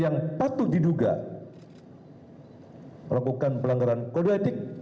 yang patut diduga melakukan pelanggaran kode etik